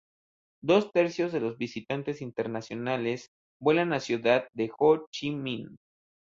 Dos tercios de los visitantes internacionales vuelan a Ciudad Ho Chi Minh.